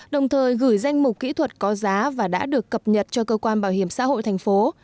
đồng thời gửi danh mục kỹ thuật có giá và đã được cập nhật cho cơ quan bảo hiểm xã hội thành phố